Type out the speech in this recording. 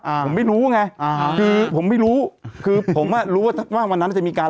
ผมไม่รู้ไงอ่าคือผมไม่รู้คือผมอ่ะรู้ว่าว่าวันนั้นจะมีการ